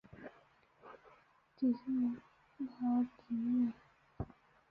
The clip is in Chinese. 极昼和极夜。